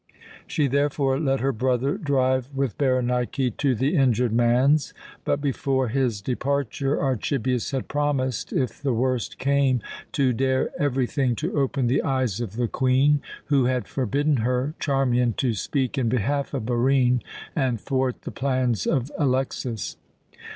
She therefore let her brother drive with Berenike to the injured man's; but before his departure Archibius had promised, if the worst came, to dare everything to open the eyes of the Queen, who had forbidden her, Charmian, to speak in behalf of Barine and thwart the plans of Alexas.